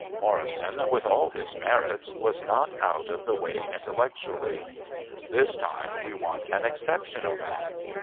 Morrison with all his merits was not out of the way intellectually. This time we want an exceptional man.